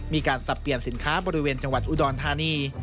สับเปลี่ยนสินค้าบริเวณจังหวัดอุดรธานี